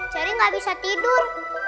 ceri gak bisa tidur